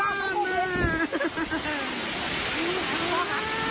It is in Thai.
เฮ้ยอยากขับบ้านมาก